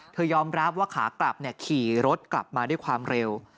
ยอมรับว่าขากลับขี่รถกลับมาด้วยความเร็ว